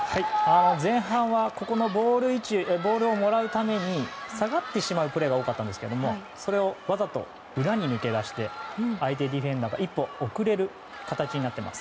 前半はボールをもらうために下がってしまうプレーが多かったんですけれどもそれをわざと裏に抜け出して相手ディフェンスに一歩遅れる形になっています。